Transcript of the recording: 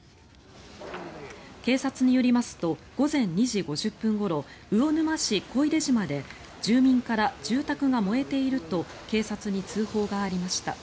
警察によりますと午前２時５０分ごろ魚沼市小出島で住民から住宅が燃えていると警察に通報がありました。